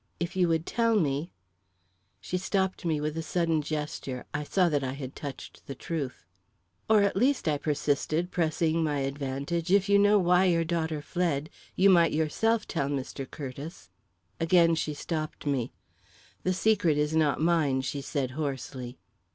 If you would tell me " She stopped me with a sudden gesture; I saw that I had touched the truth. "Or, at least," I persisted, pressing my advantage, "if you know why your daughter fled, you might yourself tell Mr. Curtiss " Again she stopped me. "The secret is not mine," she said hoarsely.